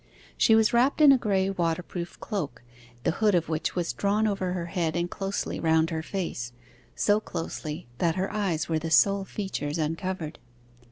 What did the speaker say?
She was wrapped in a grey waterproof cloak, the hood of which was drawn over her head and closely round her face so closely that her eyes were the sole features uncovered.